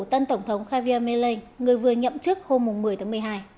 tân tổng thống javier mele người vừa nhậm chức hôm một mươi tháng một mươi hai